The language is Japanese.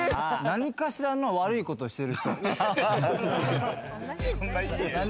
何かしらの悪いことをしてる人。